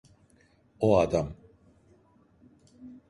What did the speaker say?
O adam…